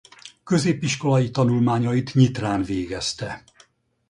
Középiskolai tanulmányait Nyitrán végezte.